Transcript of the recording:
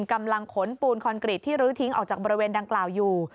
กำลังขนปูนคอนกรีตที่ลื้อทิ้งออกจากบริเวณดังกล่าวอยู่